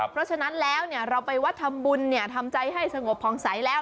เพราะฉะนั้นแล้วเราไปวัดทำบุญทำใจให้สงบพองใสแล้ว